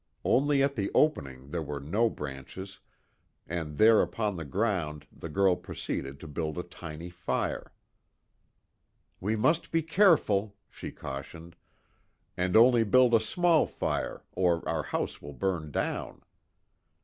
Only at the opening there were no branches, and there upon the ground the girl proceeded to build a tiny fire. "We must be careful," she cautioned, "and only build a small fire, or our house will burn down."